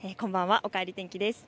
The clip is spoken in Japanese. おかえり天気です。